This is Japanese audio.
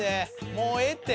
もうええって。